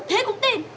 thế cũng tin